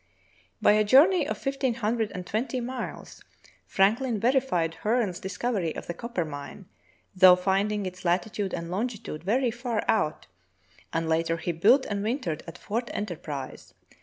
By a journey of fifteen hundred and twenty miles Franklin verified Hearne's discovery of the Coppermine, though finding its latitude and longitude very far out, and later he built and wintered at Fort Enterprise.